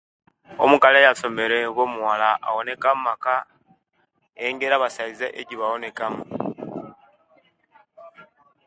Omukali eyasomere oba omuwala awoneka omumaka engeri omusaiza eje'bowonekamu